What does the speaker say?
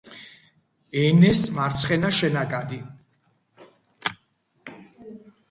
ენეს მარცხენა შენაკადი.